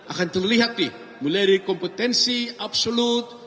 akan terlihat nih mulai dari kompetensi absolut